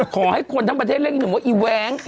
ขอให้คนทั้งประเทศเร่งหนึ่งว่าอีแว้ง